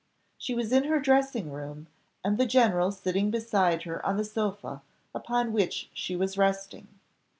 She was in her dressing room, and the general sitting beside her on the sofa, upon which she was resting.